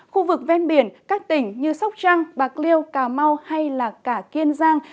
khu vực ven biển các tỉnh như sóc trăng bạc liêu cà mau hay cả kiên giang